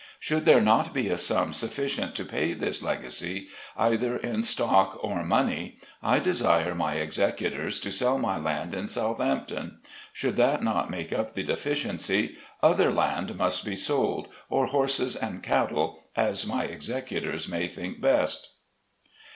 Should there not be a sum sufficient to pay this leg acy, either in stock or money, I direct my Executors to sell my land in Southampton. Should that not make up the deficiency, other land must be sold, or horses and cattle, as my Executors may think best.